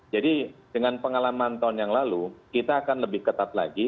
jadi dengan pengalaman tahun yang lalu kita akan lebih ketat lagi